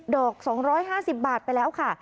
อก๒๕๐บาทไปแล้วค่ะ